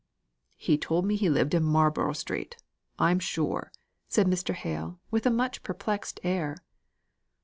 "He told me he lived in Marlborough Street, I'm sure," said Mr. Hale, with a much perplexed air.